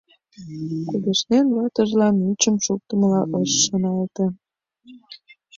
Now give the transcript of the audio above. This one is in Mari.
Кугешнен, ватыжлан ӱчым шуктымыла ыш шоналте.